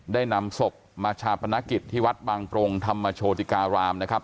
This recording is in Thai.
ได้นำศพมาชาปนกิจที่วัดบางปรงธรรมโชติการามนะครับ